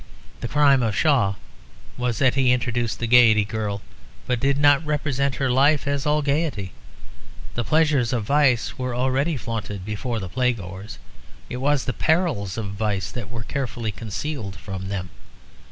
The crime of Shaw was that he introduced the Gaiety Girl, but did not represent her life as all gaiety. The pleasures of vice were already flaunted before the playgoers. It was the perils of vice that were carefully concealed from them.